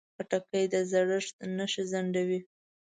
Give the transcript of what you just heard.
خټکی د زړښت نښې ځنډوي.